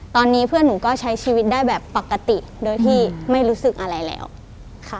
ตอนนี้เพื่อนหนูก็ใช้ชีวิตได้แบบปกติโดยที่ไม่รู้สึกอะไรแล้วค่ะ